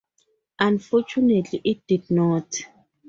Unfortunately it did not.